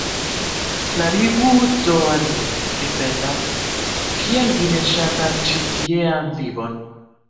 Klarigu do al mi, mi petas, kial vi ne ŝatas ĉi tiean vivon?